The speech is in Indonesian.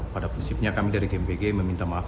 pada prinsipnya kami dari gmpg meminta maaf